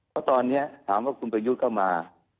เพราะตอนนี้ถามว่าคุณประยุทธ์ก็มา